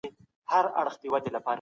تفرقه د کمزورۍ لامل کیږي.